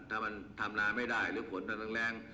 ถ้ามันทำนาไม่ได้หรือฝนมันแรง